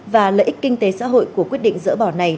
và lợi ích kinh tế xã hội của quyết định dỡ bỏ này